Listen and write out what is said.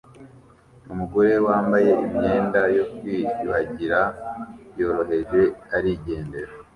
Umugore wambaye imyenda yo kwiyuhagira yoroheje arigendera